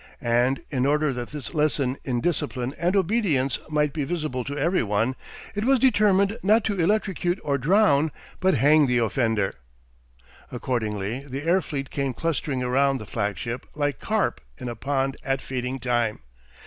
And in order that this lesson in discipline and obedience might be visible to every one, it was determined not to electrocute or drown but hang the offender. Accordingly the air fleet came clustering round the flagship like carp in a pond at feeding time.